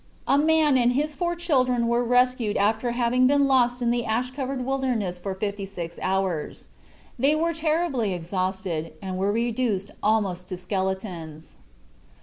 A man and his four children were rescued after having been lost in the ash covered wilderness for fifty six hours. They were terribly exhausted, and were reduced almost to skeletons.